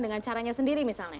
dengan caranya sendiri misalnya